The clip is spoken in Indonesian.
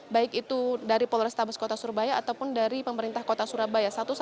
baik itu dari polrestabes kota surabaya ataupun dari pemerintah kota surabaya